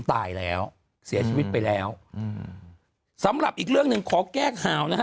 ตายแล้วเสียชีวิตไปแล้วอืมสำหรับอีกเรื่องหนึ่งขอแก้ข่าวนะฮะ